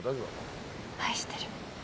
愛してる。